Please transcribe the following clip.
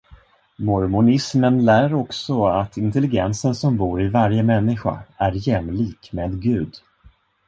Mormonismen lär också att intelligensen som bor i varje människa är jämlik med Gud.